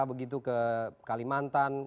begitu ke kalimantan